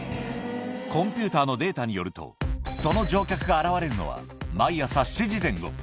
コンピューターのデータによると、その乗客が現れるのは毎朝７時前後。